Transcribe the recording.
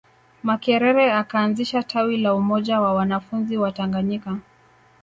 Makerere akaanzisha tawi la Umoja wa wanafunzi Watanganyika